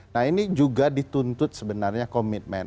nah ini juga dituntut sebenarnya komitmen